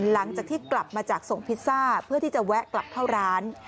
หลังจากที่กลับมาจากส่งพิซซ่าเพื่อที่จะแวะกลับเข้าร้าน